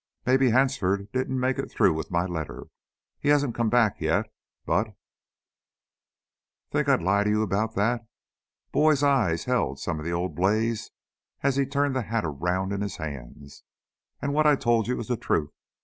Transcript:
Maybe Hansford didn't make it through with my letter. He hasn't come back yet.... But " "Think I'd lie to you about that?" Boyd's eyes held some of the old blaze as he turned the hat around in his hands. "And what I told you is the truth.